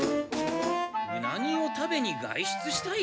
ウナギを食べに外出したい？